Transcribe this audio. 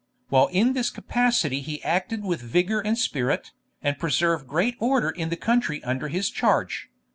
While in this capacity he acted with vigour and spirit, and preserved great order in the country under his charge.